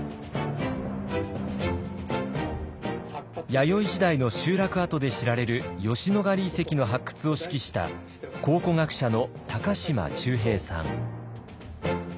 弥生時代の集落跡で知られる吉野ヶ里遺跡の発掘を指揮した考古学者の高島忠平さん。